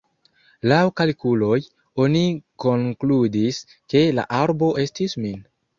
Laŭ kalkuloj, oni konkludis, ke la arbo estis min.